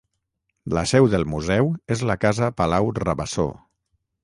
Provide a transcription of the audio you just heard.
La seu del museu és la casa Palau Rabassó.